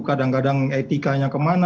kadang kadang etikanya kemana